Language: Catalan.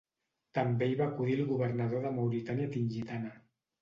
També hi va acudir el governador de la Mauritània Tingitana.